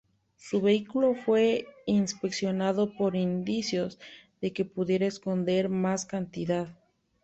Su vehículo fue inspeccionado por indicios de que pudiera esconder más cantidad.